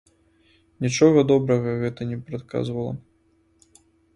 Нічога добрага гэта не прадказвала.